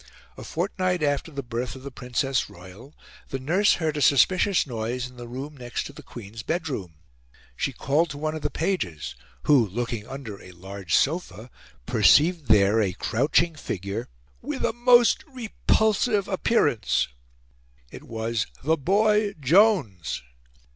A fortnight after the birth of the Princess Royal the nurse heard a suspicious noise in the room next to the Queen's bedroom. She called to one of the pages, who, looking under a large sofa, perceived there a crouching figure "with a most repulsive appearance." It was "the boy Jones."